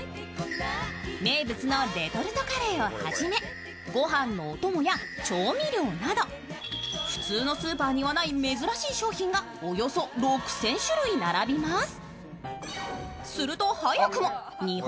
名物のレトルトカレーをはじめ、御飯のお供や調味料など普通のスーパーにはない珍しい商品が６０００種類並びます。